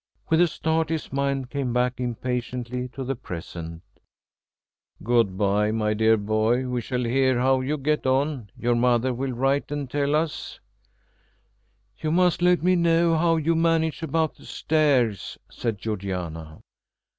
With a start his mind came back impatiently to the present. "Good bye, my dear boy. We shall hear how you get on. Your mother will write and tell us " "You must let me know how you manage about the stairs," said Georgiana.